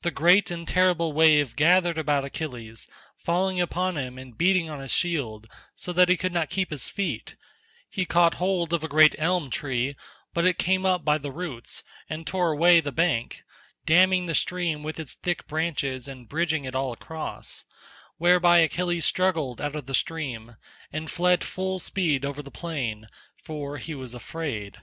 The great and terrible wave gathered about Achilles, falling upon him and beating on his shield, so that he could not keep his feet; he caught hold of a great elm tree, but it came up by the roots, and tore away the bank, damming the stream with its thick branches and bridging it all across; whereby Achilles struggled out of the stream, and fled full speed over the plain, for he was afraid.